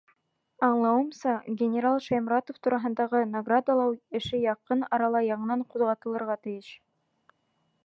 Аңлауымса, генерал Шайморатов тураһындағы наградалау эше яҡын арала яңынан ҡуҙғатылырға тейеш.